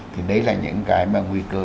thì đấy là những cái nguy cơ